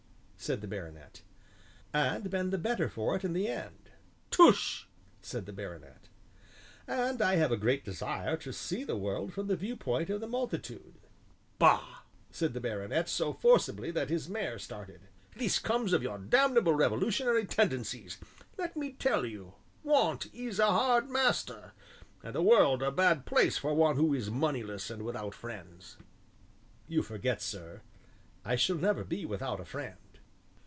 said the baronet. "And been the better for it in the end." "Tush!" said the baronet. "And I have a great desire to see the world from the viewpoint of the multitude." "Bah!" said the baronet, so forcibly that his mare started; "this comes of your damnable Revolutionary tendencies. Let me tell you, Want is a hard master, and the world a bad place for one who is moneyless and without friends." "You forget, sir, I shall never be without a friend."